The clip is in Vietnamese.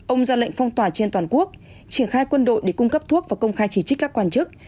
ông ra lệnh phong tỏa trên toàn quốc triển khai quân đội để cung cấp thuốc và công khai chỉ trích các quan chức